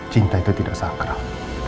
cinta itu tidak sakral